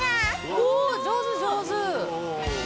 お上手上手。